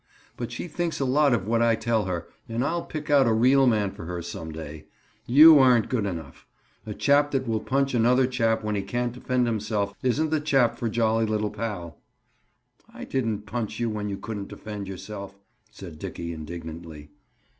But she thinks a lot of what I tell her and I'll pick out a real man for her some day. You aren't good enough. A chap that will punch another chap when he can't defend himself isn't the chap for jolly little pal." "I didn't punch you when you couldn't defend yourself," said Dickie indignantly.